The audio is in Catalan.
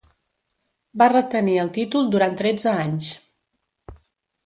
Va retenir el títol durant tretze anys.